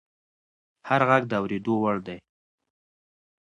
هر غږ د اورېدو وړ دی